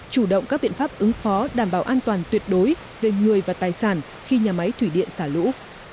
chủ động các biện pháp ứng phó đảm bảo an toàn tuyệt đối về người và tài sản khi nhà máy thủy điện xả lũ